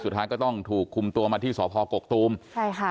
สุดท้ายก็ต้องถูกคุมตัวมาที่สพกกตูมใช่ค่ะ